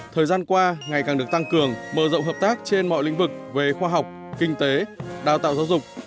thời gian qua ngày càng được tăng cường mở rộng hợp tác trên mọi lĩnh vực về khoa học kinh tế đào tạo giáo dục